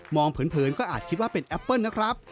เผินก็อาจคิดว่าเป็นแอปเปิ้ลนะครับ